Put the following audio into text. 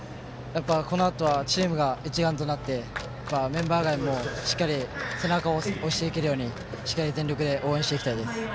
このあとはチームが一丸となってメンバー外もしっかり背中を押していけるようにしっかり全力で応援していきたいです。